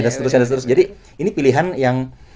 dan seterusnya dan seterusnya jadi ini pilihan yang